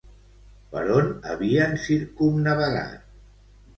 Per on havien circumnavegat?